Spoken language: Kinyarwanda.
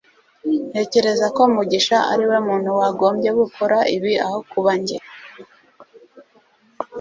ntekereza ko mugisha ariwe muntu wagombye gukora ibi aho kuba njye